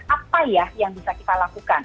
apa ya yang bisa kita lakukan